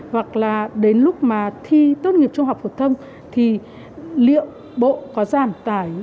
hoặc là đến lúc mà thi tốt nghiệp trung học phổ thông thì liệu bộ có giảm tải